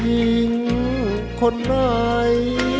ยิงคนร้าย